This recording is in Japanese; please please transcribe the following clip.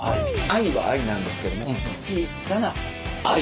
愛は愛なんですけども小さな愛。